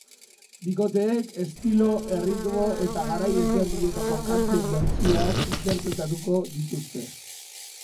Bikoteek estilo, erritmo eta garai ezberdinetako kanten bertsioak interpretatuko dituzte.